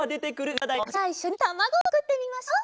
それじゃあいっしょにたまごをつくってみましょう。